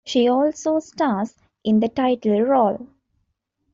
She also stars in the title role.